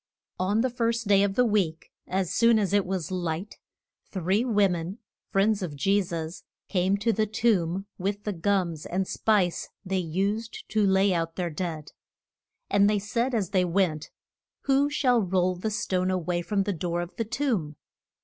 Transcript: ON the first day of the week, as soon as it was light, three wo men, friends of Je sus, came to the tomb with the gums and spice they used to lay out their dead. And they said as they went, Who shall roll the stone a way from the door of the tomb?